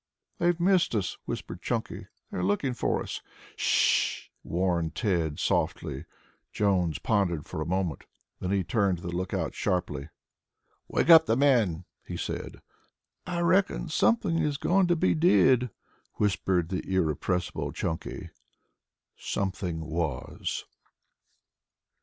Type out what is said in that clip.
"They've missed us," whispered Chunky. "They're looking for us." "Sh h h h," warned Tad softly. Jones pondered for a moment, then he turned to the lookout sharply. "Wake up the men," he said. "I reckon something is going to be did," whispered the irrepressible Chunky. Something was.